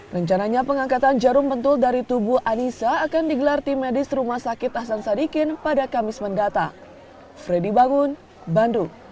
rencananya pengangkatan jarum pentul dari tubuh anissa akan digelar tim medis rumah sakit hasan sadikin pada kamis mendatang